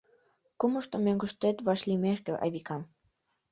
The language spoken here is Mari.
Кумышто мӧҥгыштет вашлиймешке, Айвика!